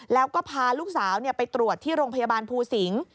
แล้วก็พาลูกสาวไปตรวจที่โรงพยาบาลภูสิงศ์